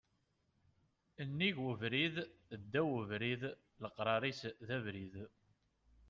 Nnig ubrid, ddaw ubrid, leqrar-is d abrid